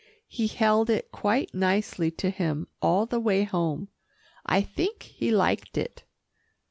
He held it quite nicely to him all the way home. I think he liked it.